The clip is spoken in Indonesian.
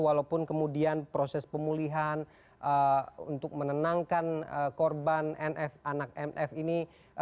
walaupun kemudian proses pemulihan untuk menenangkan korban nf anak mf ini